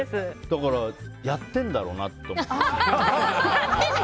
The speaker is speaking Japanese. だからやってんだろうなと思う。